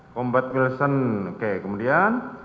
combat wilson oke kemudian